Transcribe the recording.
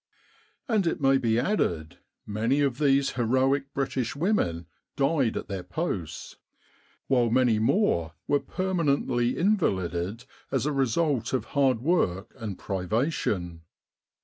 And, it may be added, many of these heroic British women died at their posts, while many more were permanently invalided as a result of hard work and privation.